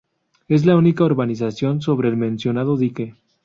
Es la única urbanización sobre el mencionado dique.